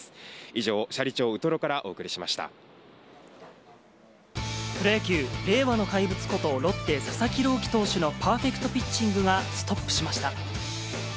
以上、斜里町ウトロからお送りしプロ野球、令和の怪物ことロッテ、佐々木朗希投手のパーフェクトピッチングがストップしました。